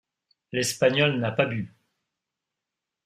L’espagnol n’a pas bu.